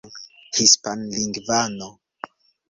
hispanlingvano